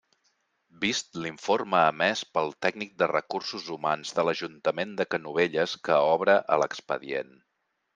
Vist l'informe emès pel tècnic de recursos humans de l'ajuntament de Canovelles que obra a l'expedient.